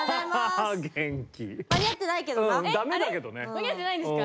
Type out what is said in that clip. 間に合ってないんですか？